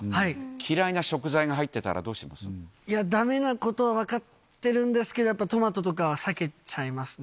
嫌いな食材が入ってたらどうしまいや、だめなことは分かってるんですけど、やっぱりトマトとかは避けちゃいますね。